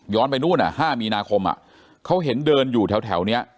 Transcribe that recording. ย้อนไปนู่น่ะห้ามีนาคมอ่ะเขาเห็นเดินอยู่แถวแถวเนี้ย